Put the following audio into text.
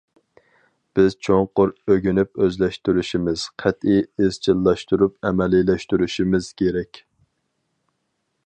بىز چوڭقۇر ئۆگىنىپ ئۆزلەشتۈرۈشىمىز، قەتئىي ئىزچىللاشتۇرۇپ ئەمەلىيلەشتۈرۈشىمىز كېرەك.